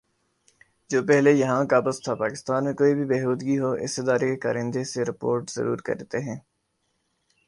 جو پہلے یہاں قابض تھا پاکستان میں کوئی بھی بے ہودگی ہو اس ادارے کے کارندے اسے رپورٹ ضرور کرتے ہیں